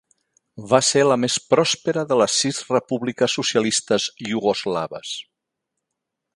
Va ser la més pròspera de les sis repúbliques socialistes iugoslaves.